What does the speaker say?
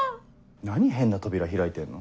何変な扉開いてんの？